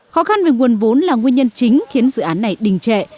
khó khăn về nguồn vốn là nguyên nhân chính khiến dự án này đình trệ